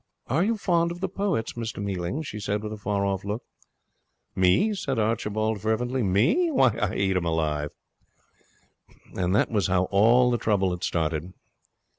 'Are you fond of the poets, Mr Mealing?' she said, with a far off look. 'Me?' said Archibald fervently. 'Me? Why, I eat 'em alive!' And that was how all the trouble had started.